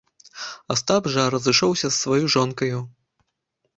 Астап жа разышоўся з сваёю жонкаю.